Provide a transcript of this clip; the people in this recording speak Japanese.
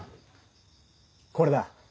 これだ！